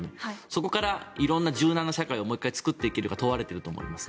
そこから柔軟な社会がもう１回使っていけるか問われていると思います。